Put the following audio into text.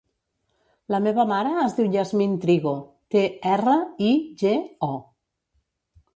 La meva mare es diu Yasmine Trigo: te, erra, i, ge, o.